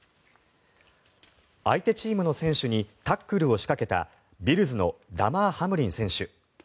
相手チームの選手にタックルを仕掛けたビルズのダマー・ハムリン選手。